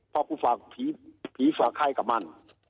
เพราะกูฝากผีฝาไข้กับมัน